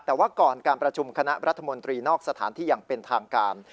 แต่ว่าก่อนการประชุมคณะรัฐมนตรีนอกสถานที่อย่างเป็นทางการ